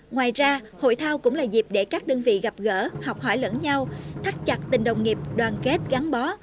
ngoài ra hội thao cũng là dịp để các đơn vị gặp gỡ học hỏi lẫn nhau thắt chặt tình đồng nghiệp đoàn kết gắn bó